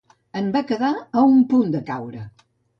En va quedar un a punt de caure.